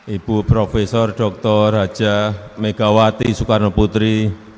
ibu profesor dr raja megawati soekarnoputri